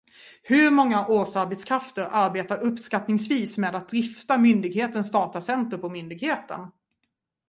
Hur många årsarbetskrafter arbetar uppskattningsvis med att drifta myndighetens datacenter på myndigheten?